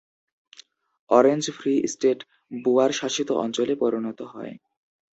Orange Free State Boer শাসিত অঞ্চলে পরিণত হয়।